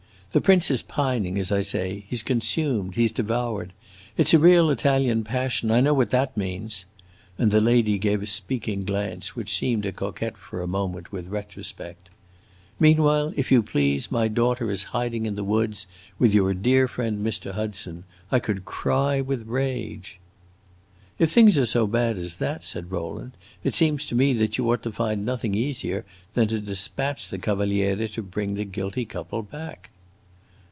The prince is pining, as I say; he 's consumed, he 's devoured. It 's a real Italian passion; I know what that means!" And the lady gave a speaking glance, which seemed to coquet for a moment with retrospect. "Meanwhile, if you please, my daughter is hiding in the woods with your dear friend Mr. Hudson. I could cry with rage." "If things are so bad as that," said Rowland, "it seems to me that you ought to find nothing easier than to dispatch the Cavaliere to bring the guilty couple back."